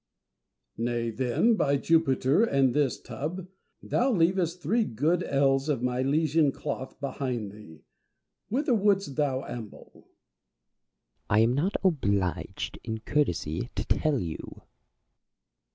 Nay, then, by Jupiter and this tub ! thou leavest three good ells of Milesian cloth behind thee. Whither wouldst thou amble 1 Plato. I am not obliged in courtesy to tell you.